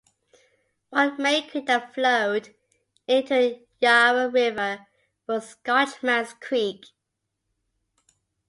One main creek that flowed into the Yarra River was Scotchmans Creek.